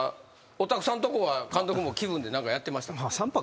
おたくさんとこは監督も気分で何かやってました？